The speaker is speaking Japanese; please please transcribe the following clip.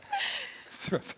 すいません。